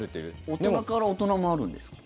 大人から大人もあるんですか？